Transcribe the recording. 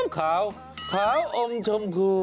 ขาวขาวองค์ชมพูก